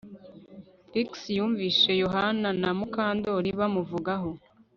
Trix yumvise Yohana na Mukandoli bamuvugaho